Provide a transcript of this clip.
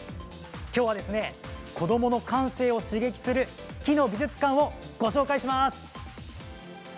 きょうは子どもの感性を刺激する木の美術館をご紹介します。